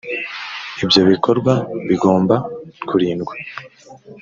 ibyo bikorwa gibomba kurindwa